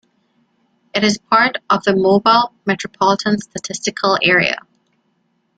It is a part of the Mobile metropolitan statistical area.